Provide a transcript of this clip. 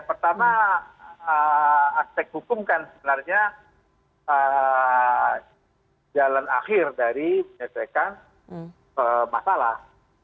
pertama aspek hukum kan sebenarnya jalan akhir dari menyelesaikan masalah